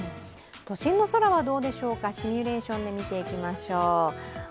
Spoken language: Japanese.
都心の空はどうでしょうか、シミュレーションで見ていきましょう。